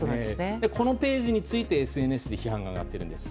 このページについてＳＮＳで批判が上がっています。